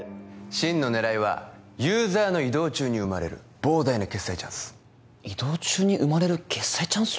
真の狙いはユーザーの移動中に生まれる膨大な決済チャンス移動中に生まれる決済チャンス？